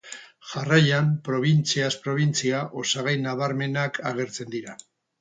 Jarraian probintziaz probintzia osagai nabarmenak agertzen dira.